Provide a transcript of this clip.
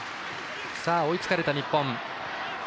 追いつかれた日本。